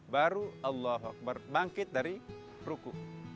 baru allah hokbar bangkit dari ruku